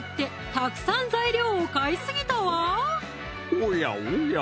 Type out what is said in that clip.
おやおや